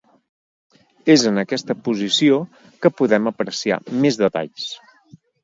És en aquesta posició que podem apreciar més detalls.